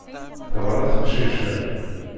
Teɣra teqcic-a.